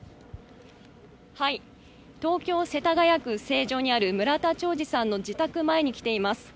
東京・世田谷区成城にある村田兆治さんの自宅前に来ています。